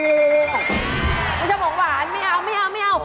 ไม่ชอบของหวานไม่เอาหาของเปรี้ยวมา